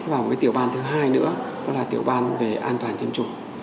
và một tiểu ban thứ hai nữa là tiểu ban về an toàn tiêm chủng